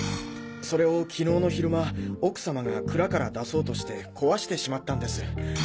それを昨日の昼間奥様が蔵から出そうとして壊してしまったんです。